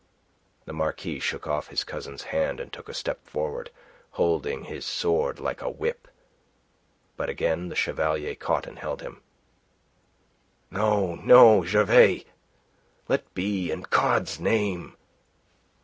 The Marquis shook off his cousin's hand, and took a step forward, holding now his sword like a whip. But again the Chevalier caught and held him. "No, no, Gervais! Let be, in God's name!"